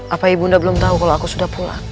apa ibu nda belum tahu kalau aku sudah pulang